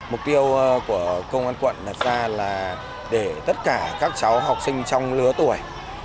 mục tiêu của công an quận là để tất cả các cháu học sinh trong lứa tuổi